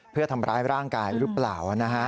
เพื่อทำร้ายร่างกายหรือเปล่า